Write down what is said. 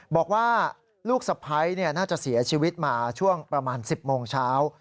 บอกว่าลูกสะพ้ายน่าจะเสียชีวิตมาช่วงประมาณ๑๐โมงเช้า